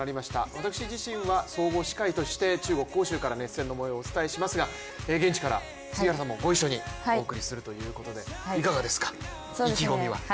私自身は総合司会として中国から熱戦の模様をお伝えしますが現地から杉原さんもご一緒にお送りするということで、いかがですか意気込みは？